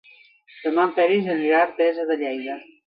Demà en Peris anirà a Artesa de Lleida.